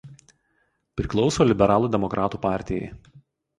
Priklauso Liberalų demokratų partijai.